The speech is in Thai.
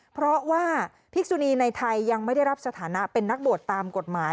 เพราะว่าพิกษุนีในไทยยังไม่ได้รับสถานะเป็นนักบวชตามกฎหมาย